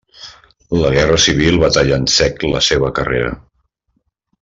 La Guerra Civil va tallar en sec la seva carrera.